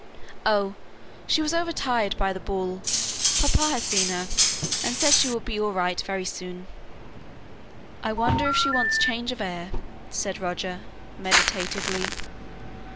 "Oh! she was over tired by the ball. Papa has seen her, and says she will be all right very soon." "I wonder if she wants change of air?" said Roger, meditatively.